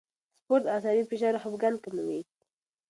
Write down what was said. سپورت عصبي فشار او خپګان کموي.